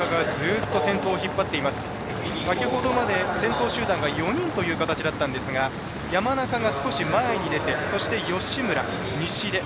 先ほどまで、先頭集団が４人という形でしたが山中が少し前に出て吉村、西出